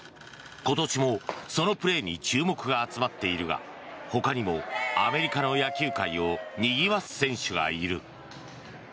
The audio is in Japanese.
今年も、そのプレーに注目が集まっているがほかにもアメリカの野球界をにぎわす選手がいる。